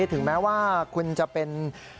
ถึงแม้ว่าคุณจะเป็น